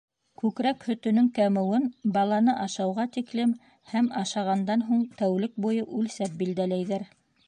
Күкрәк һөтөнөң кәмеүен, баланы ашауға тиклем һәм ашағандан һуң тәүлек буйы үлсәп, билдәләйҙәр.